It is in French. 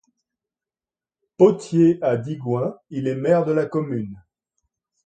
Potier à Digoin, il est maire de la commune.